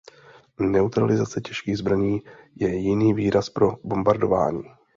Neutralizace těžkých zbraní je jiný výraz pro bombardování.